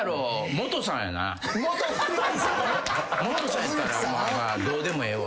モトさんやったらどうでもええわ。